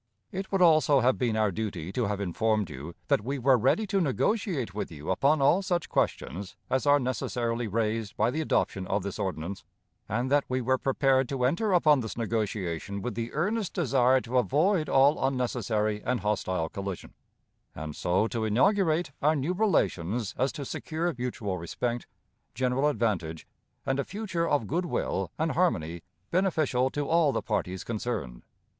It would also have been our duty to have informed you that we were ready to negotiate with you upon all such questions as are necessarily raised by the adoption of this ordinance, and that we were prepared to enter upon this negotiation with the earnest desire to avoid all unnecessary and hostile collision, and so to inaugurate our new relations as to secure mutual respect, general advantage, and a future of good will and harmony beneficial to all the parties concerned.